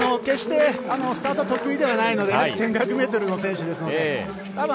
決してスタートは得意ではないので１５００ｍの選手ですし。